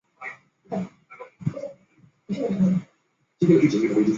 它们也会将巢筑在地穴或白蚁丘中。